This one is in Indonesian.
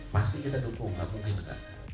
pasti kita dukung gak mungkin kan